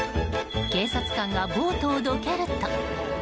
警察官がボートをどけると。